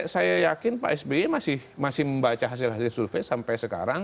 saya yakin pak sby masih membaca hasil hasil survei sampai sekarang